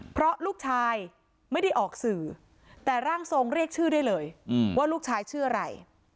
เพราะลูกชายไม่ได้ออกสื่อแต่ร่างทรงเรียกชื่อได้เลยว่าลูกชายชื่ออะไร